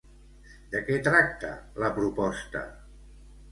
De què tracta la proposta?